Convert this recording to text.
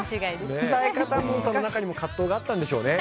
その中にも葛藤があったんでしょうね。